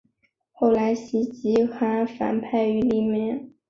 后来刁吉罕反叛后黎朝。